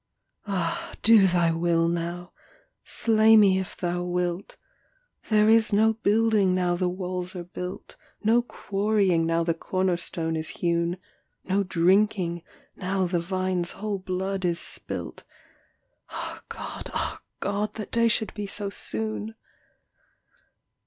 Ah, do thy will now; slay me if thou wilt; There is no building now the walls are built, No quarrying now the corner stone is hewn, No drinking now the vine's whole blood is spilt; Ah God, ah God, that day should be so soon.